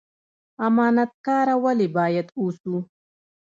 امانت کاره ولې باید اوسو؟